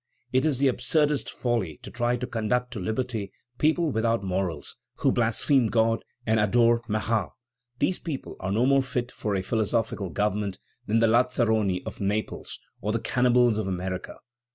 It is the absurdest folly to try to conduct to liberty people without morals, who blaspheme God and adore Marat. These people are no more fit for a philosophic government than the lazzaroni of Naples or the cannibals of America....